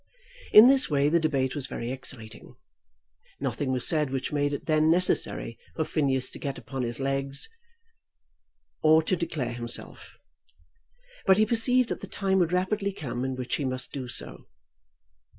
In this way the debate was very exciting. Nothing was said which made it then necessary for Phineas to get upon his legs or to declare himself; but he perceived that the time would rapidly come in which he must do so.